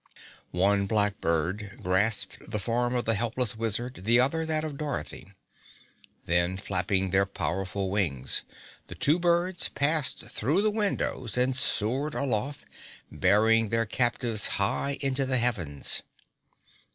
One black bird grasped the form of the helpless Wizard, the other that of Dorothy. Then, flapping their powerful wings, the two birds passed through the windows and soared aloft, bearing their captives high into the heavens.